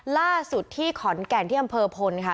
ล่าสุดที่ขอนแกนให้ฮิมเผอร์พลอบค่ะ